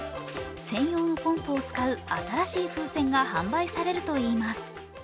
専用のポンプを使う新しい風船が販売されるといいます。